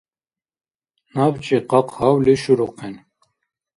Набчи къакъ гьавли шурухъен.